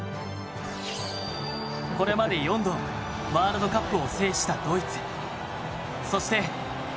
これまで４度ワールドカップを制したドイツそして。